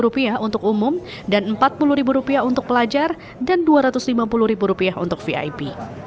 rp seratus untuk umum dan rp empat puluh untuk pelajar dan rp dua ratus lima puluh untuk vip